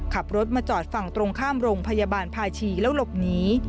ขับรถมาจอดฝั่งตรงข้ามโรงพยาบาลภาชีแล้วหลบหนี